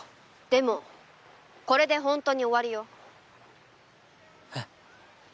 でもこれでほんとに終わりよえっ？